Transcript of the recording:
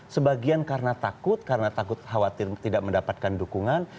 sebagian karena takut karena takut khawatir tidak mendapatkan dukungan